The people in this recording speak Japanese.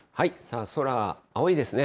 空、青いですね。